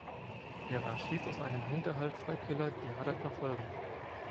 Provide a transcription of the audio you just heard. Er erschießt aus einem Hinterhalt zwei Killer, die Haddad verfolgen.